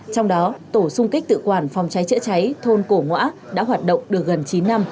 trong đó tổ sung kích tự quản phòng cháy chữa cháy thôn cổ ngoã đã hoạt động được gần chín năm